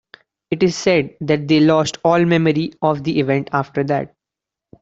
It is said that they lost all memory of the event after that.